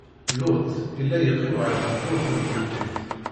Luṭ illa yeqqim ɣer tebburt n temdint.